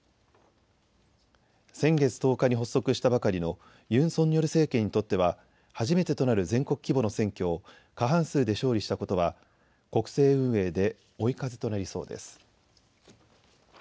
先月１０日に発足したばかりのユン・ソンニョル政権にとっては初めてとなる全国規模の選挙を過半数で勝利したことは国政運営で追い風となりそうです。